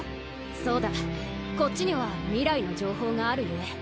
そうだこっちには未来の情報があるゆえ。